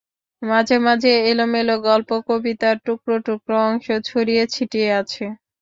মাঝে মাঝে এলোমেলো গল্প, কবিতার টুকরো টুকরো অংশ ছড়িয়ে ছিটিয়ে আছে।